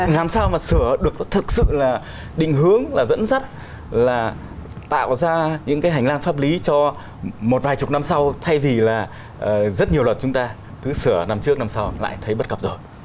làm sao mà sửa được nó thực sự là định hướng là dẫn dắt là tạo ra những cái hành lang pháp lý cho một vài chục năm sau thay vì là rất nhiều luật chúng ta cứ sửa năm trước năm sau lại thấy bất cập rồi